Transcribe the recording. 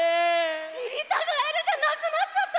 「しりたガエル」じゃなくなっちゃった！